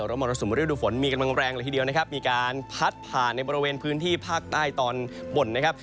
แล้วมรสุมฤดูฝนมีกำลังแรงเลยทีเดียวนะครับมีการพัดผ่านในบริเวณพื้นที่ภาคใต้ตอนบนนะครับ